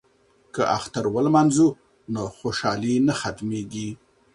که اختر ولمانځو نو خوشحالي نه ختمیږي.